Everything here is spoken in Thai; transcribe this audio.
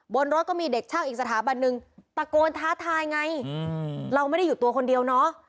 บนรถก็มีเด็กช่างอีกสถาบันหนึ่งตะโกนท้าทายไงเราไม่ได้อยู่ตัวคนเดียวเนอะ